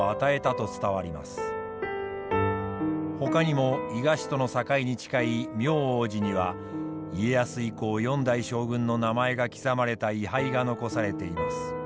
ほかにも伊賀市との境に近い明王寺には家康以降４代将軍の名前が刻まれた位牌が残されています。